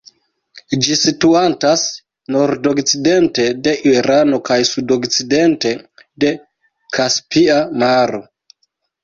Ĝi situantas nordokcidente de Irano kaj sudokcidente de Kaspia Maro.